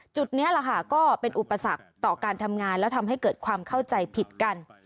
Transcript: จุดนี้แหละค่ะก็เป็นอุปสรรคต่อการทำงานและทำให้เกิดความเข้าใจผิดกัน